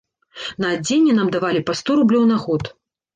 На адзенне нам давалі па сто рублёў на год.